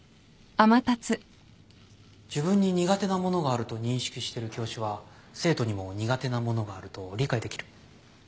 自分に苦手なものがあると認識してる教師は生徒にも苦手なものがあると理解できる。